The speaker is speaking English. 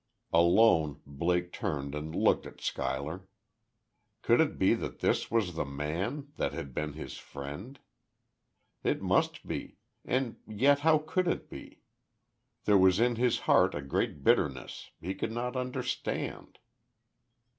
Alone, Blake turned and looked at Schuyler. Could it be that this was the man that had been his friend? ... It must be; and yet how could it be? There was in his heart a great bitterness. He could not understand....